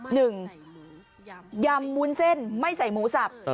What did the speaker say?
ยำวุ้นเส้นไม่ใส่หมูสับ